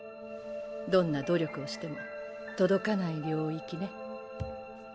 どんな努力をしても届かない領域ね。